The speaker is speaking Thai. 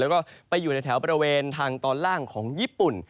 แล้วก็ไปอยู่ในแถวบริเวณทางตอนล่างของญี่ปุ่น